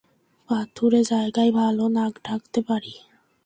পাথুরে জায়গায় ভালো নাক ডাকতে পারি।